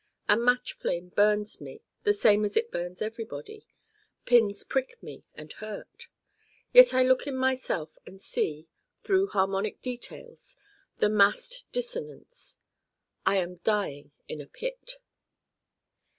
A match flame burns me the same as it burns Everybody: pins prick me and hurt. Yet I look in myself and see, through harmonic details, the massed Dissonance. I am dying in a pit.